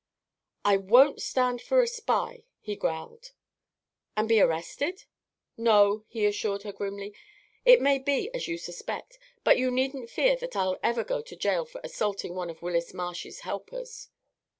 "I won't stand for a spy!" he growled. "And be arrested?" "No," he assured her, grimly. "It may be as you suspect, but you needn't fear that I'll ever go to jail for assaulting one of Willis Marsh's helpers."